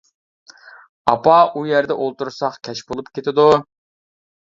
-ئاپا ئۇ يەردە ئولتۇرساق كەچ بولۇپ كېتىدۇ.